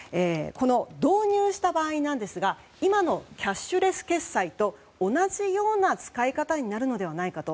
導入した場合なんですが今のキャッシュレス決済と同じような使い方になるのではないかと。